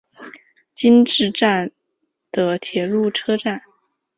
今治站的铁路车站。